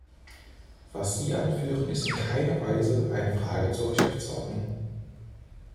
Was Sie anführen, ist in keiner Weise eine Frage zur Geschäftsordnung.